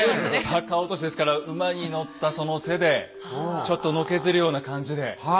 逆落としですから馬に乗ったその背でちょっとのけぞるような感じで。